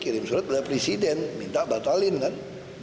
kirim surat kepada presiden minta batalin kan